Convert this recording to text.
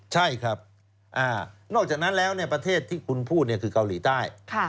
ใช่ครับนอกจากนั้นแล้วประเทศที่คุณพูดคือเกาหลีใต้